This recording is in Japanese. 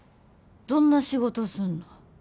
どんな仕事すんの？